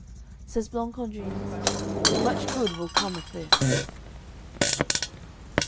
Says Blancandrins: "Much good will come of this."